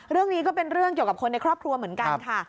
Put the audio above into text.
เรื่องนี้ก็เป็นเรื่องเกี่ยวกับคนในครอบครัวเหมือนกันค่ะ